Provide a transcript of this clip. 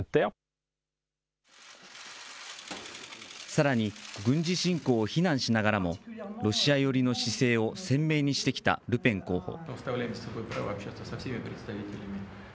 さらに軍事侵攻を非難しながらも、ロシア寄りの姿勢を鮮明にしてきたルペン候補。